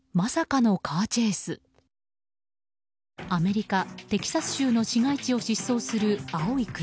アメリカ・テキサス州の市街地を疾走する青い車。